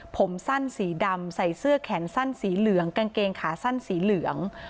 ผมสั้นสีดำใส่เสื้อแขนสั้นสีเหลืองกางเกงขาสั้นสีเหลือง